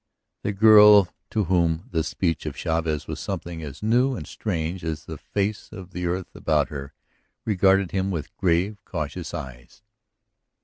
The girl, to whom the speech of Chavez was something as new and strange as the face of the earth about her, regarded him with grave, curious eyes.